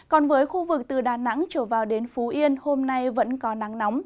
còn với khu vực từ đà nẵng trở vào đến phú yên hôm nay vẫn có nắng nóng